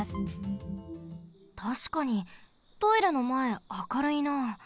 たしかにトイレのまえ明るいな。